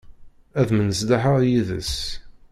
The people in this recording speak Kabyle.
Ad msenḍaḥeɣ yid-s.